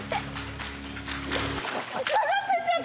下がっていっちゃった。